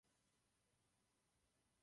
Někdy mohou napadat i lidi.